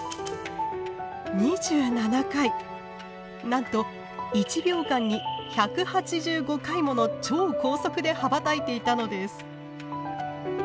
なんと１秒間に１８５回もの超高速で羽ばたいていたのです。